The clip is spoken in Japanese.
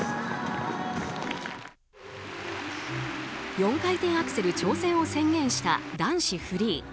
４回転アクセル挑戦を宣言した男子フリー。